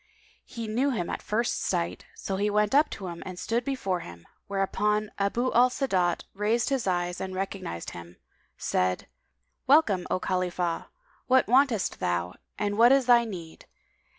He knew him at first sight; so he went up to him and stood before him, whereupon Abu al Sa'adat raised his eyes and recognising him, said, "Welcome, O Khalifah! What wantest thou and what is thy need?